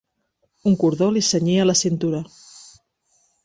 Un cordó li cenyia la cintura.